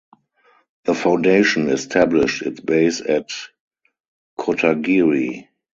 The foundation established its base at Kotagiri.